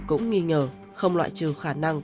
cũng nghi ngờ không loại trừ khả năng